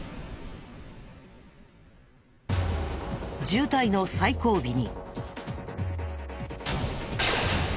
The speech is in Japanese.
渋滞の最後尾に。